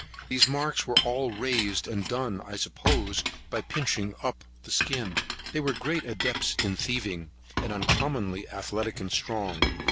These marks were all raised, and done, I suppose, by pinching up the skin. They were great adepts in thieving, and uncommonly athletic and strong.